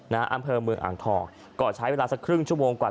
อำเภอเมืองอ่างทองก็ใช้เวลาสักครึ่งชั่วโมงกว่า